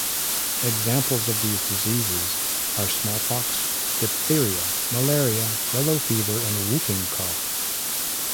Examples of these diseases are smallpox, diphtheria, malaria, yellow fever, and whooping cough.